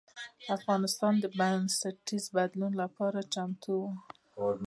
افغانستان د بنسټیز بدلون لپاره چمتو و.